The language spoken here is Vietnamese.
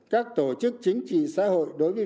các tổ chức chính trị xã hội đối với